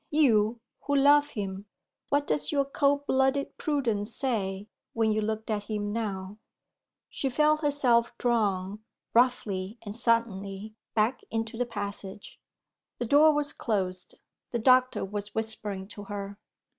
You, who love him, what does your cold blooded prudence say, when you look at him now? She felt herself drawn, roughly and suddenly, back into the passage. The door was closed; the doctor was whispering to her.